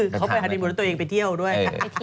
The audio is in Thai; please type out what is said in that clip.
เขาไปฮานิมูลแล้วตัวเองไปเที่ยวด้วย